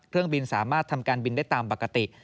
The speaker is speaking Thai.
เครื่องบินสามารถทำการบินได้ตามปกติ